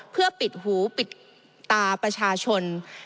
เพื่อปิดหูปิดตาประชาชน